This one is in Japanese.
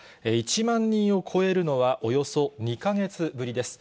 １万人を超えるのはおよそ２か月ぶりです。